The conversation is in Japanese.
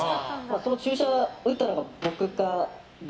その注射を打ったのが僕かＢ